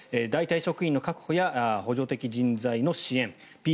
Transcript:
代替職員の確保や補助的人材の支援。